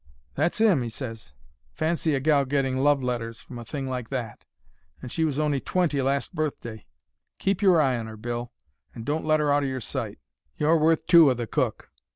"'That's 'im,' he ses. 'Fancy a gal getting love letters from a thing like that! And she was on'y twenty last birthday. Keep your eye on 'er, Bill, and don't let 'er out of your sight. You're worth two o' the cook.'